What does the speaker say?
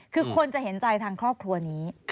คือคนจะเห็นใจทางครอบครัวนี้